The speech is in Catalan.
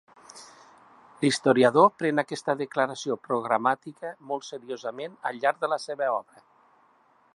L'historiador pren aquesta declaració programàtica molt seriosament al llarg de la seva obra.